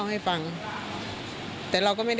ตลอดทั้งคืนตลอดทั้งคืน